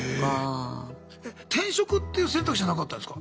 転職っていう選択肢はなかったんすか？